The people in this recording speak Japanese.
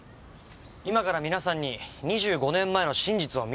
今から皆さんに２５年前の真実を見て頂きます。